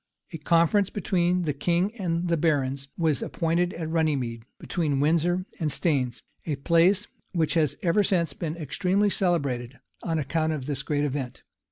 ] A conference between the king and the barons was appointed at Runnemede, between Windsor and Staines; a place which has ever since been extremely celebrated on account of this great event.